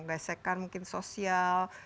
besekan mungkin sosial